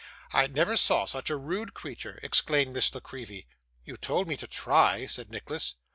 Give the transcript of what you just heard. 'I never saw such a rude creature!' exclaimed Miss La Creevy. 'You told me to try,' said Nicholas.